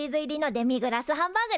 デミグラスハンバーグ。